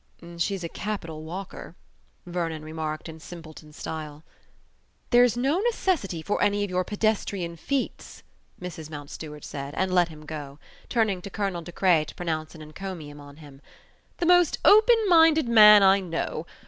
"She's a capital walker." Vernon remarked in simpleton style. "There's no necessity for any of your pedestrian feats," Mrs Mountstuart said, and let him go, turning to Colonel De Craye to pronounce an encomium on him: "The most open minded man I know!